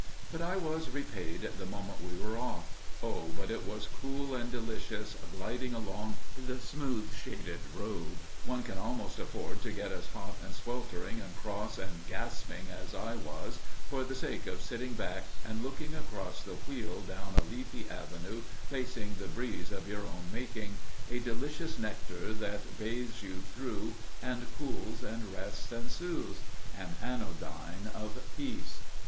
But I was repaid the moment we were off. Oh, but it was cool and delicious gliding along the smooth, shaded road! One can almost afford to get as hot and sweltering and cross and gasping as I was for the sake of sitting back and looking across the wheel down a leafy avenue facing the breeze of your own making, a delicious nectar that bathes you through and cools and rests and soothes an anodyne of peace.